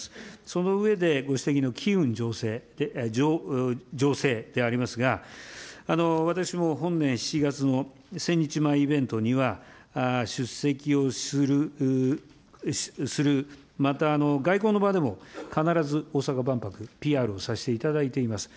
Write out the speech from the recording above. その上で、ご指摘の機運醸成でありますが、私も本年７月の１０００日前イベントには出席をする、また、外交の場でも必ず大阪万博、ＰＲをさせていただいております。